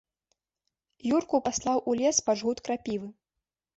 Юрку паслаў у лес па жгут крапівы.